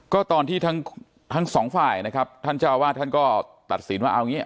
ก็ตอนที่ทั้งสองฝ่ายนะครับท่านเจ้าอาวาสท่านก็ตัดสินว่าเอางี้